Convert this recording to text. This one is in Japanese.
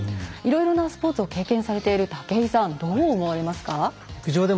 いろいろなスポーツを経験されている武井さんどう思われますか？